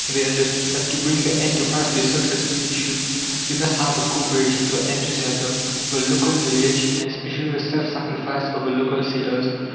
They understood that to bring their enterprise to a successful issue they must have the co operation, the enthusiasm, the local knowledge, and especially the self sacrifice of the local sailors.